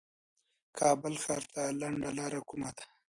کابل ښار ته لنډه لار کومه ده